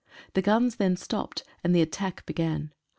The guns then stopped, and the attack began.